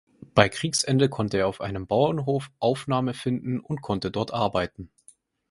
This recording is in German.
Bei Kriegsende konnte er auf einem Bauernhof Aufnahme finden und konnte dort arbeiten.